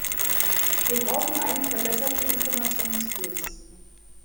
Wir brauchen einen verbesserten Informationsfluss.